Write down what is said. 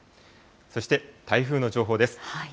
そして台風の情報です。